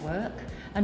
và kỹ năng